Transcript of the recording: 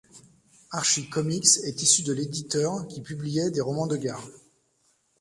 Archie Comics est issu de l'éditeur qui publiait des romans de gare.